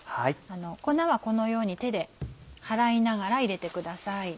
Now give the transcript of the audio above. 粉はこのように手で払いながら入れてください。